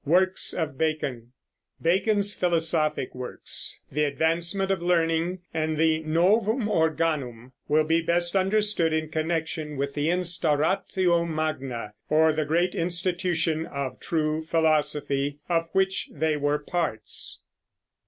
WORKS OF BACON. Bacon's philosophic works, The Advancement of Learning and the Novum Organum, will be best understood in connection with the Instauratio Magna, or The Great Institution of True Philosophy, of which they were parts.